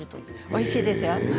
おいしいですよ。